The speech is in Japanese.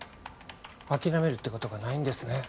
諦めるってことがないんですね